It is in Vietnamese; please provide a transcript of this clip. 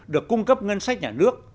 được cung cấp ngân sách nhà nước